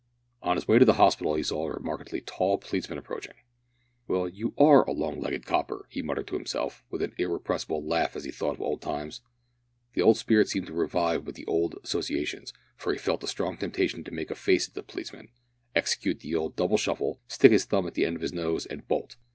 On his way to the hospital he saw a remarkably tall policeman approaching. "Well, you are a long legged copper," he muttered to himself, with an irrepressible laugh as he thought of old times. The old spirit seemed to revive with the old associations, for he felt a strong temptation to make a face at the policeman, execute the old double shuffle, stick his thumb to the end of his nose, and bolt!